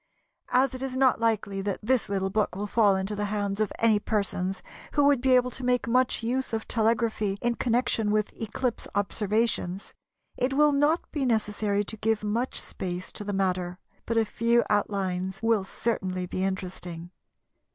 As it is not likely that this little book will fall into the hands of any persons who would be able to make much use of telegraphy in connection with eclipse observations, it will not be necessary to give much space to the matter, but a few outlines will certainly be interesting.